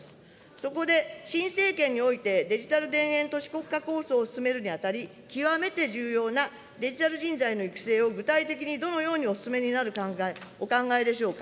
そこで新政権において、デジタル田園都市国家構想を進めるにあたり、極めて重要なデジタル人材の育成を具体的にどのようにお進めになるお考えでしょうか。